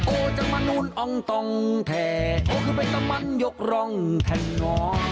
โอ้จากมะนุนอองตองแทโอ้คือเป็นตามันหยกรองแท่งงอ